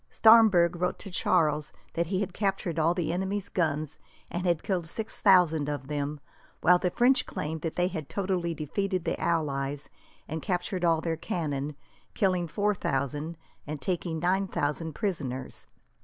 Staremberg wrote to Charles that he had captured all the enemy's guns, and had killed six thousand of them; while the French claimed that they had totally defeated the allies, and captured all their cannon, killed four thousand, and taken nine thousand prisoners.